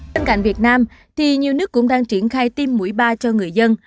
tên cạnh việt nam nhiều nước cũng đang triển khai tiêm mũi ba cho người dân